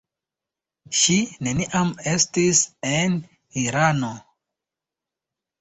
Ŝi neniam estis en Irano.